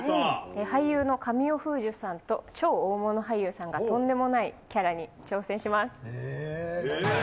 俳優の神尾楓珠さんと超大物俳優さんが、とんでもないキャラに挑戦します。